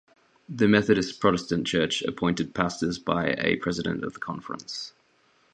The Methodist Protestant Church appointed pastors by a president of the conference.